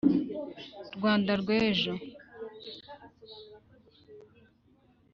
Rwanda rwejo